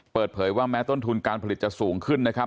เปิดเผยว่าแม้ต้นทุนการผลิตจะสูงขึ้นนะครับ